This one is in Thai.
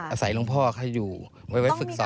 อาศัยลงพ่อให้อยู่ไว้ฝึกซ้อนกัน